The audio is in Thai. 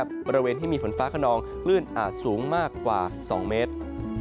บริเวณที่มีฝนฟ้าขนองคลื่นอาจสูงมากกว่า๒เมตร